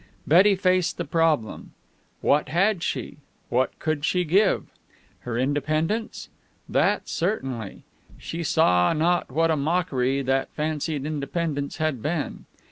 Betty faced the problem. What had she? What could she give? Her independence? That, certainly. She saw now what a mockery that fancied independence had been.